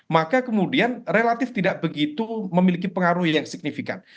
maka kemudian relatif tidak begitu memiliki pengaruh yang signifikan